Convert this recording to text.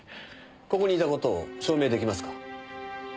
ここにいた事を証明出来ますか？